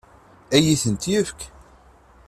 Ad iyi-tent-yefk?